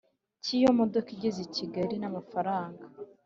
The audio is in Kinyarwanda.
cy iyo modoka igeze i Kigali n amafaranga